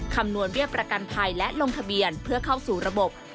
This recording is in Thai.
คำนวณเบี้ยประกันภัยและลงทะเบียนเพื่อเข้าสู่ระบบ